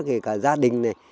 kể cả gia đình này